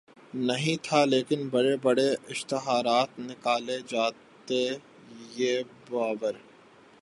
نہیں تھا لیکن بڑے بڑے اشتہارات نکالے جاتے یہ باور